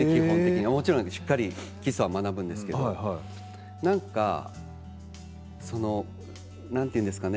もちろんしっかり基礎は学ぶんですけどなんて言うんでしょうかね